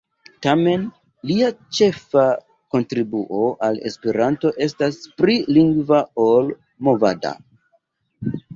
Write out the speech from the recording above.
Tamen, lia ĉefa kontribuo al Esperanto estas pli lingva ol movada.